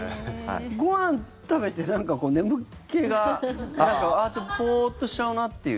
ご飯食べてなんか眠気がちょっとポーッとしちゃうなっていう。